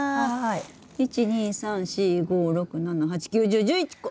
１２３４５６７８９１０１１個！